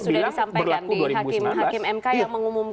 tapi di mk sudah disampaikan di hakim hakim mk yang mengumumkan